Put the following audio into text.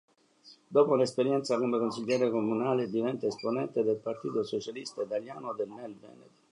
Dopo un'esperienza come consigliere comunale, diventa esponente del Partito Socialista Italiano nel Veneto.